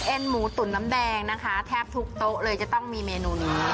หมูตุ๋นน้ำแดงนะคะแทบทุกโต๊ะเลยจะต้องมีเมนูนี้